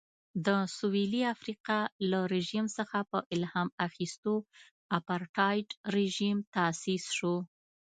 د سوېلي افریقا له رژیم څخه په الهام اخیستو اپارټایډ رژیم تاسیس شو.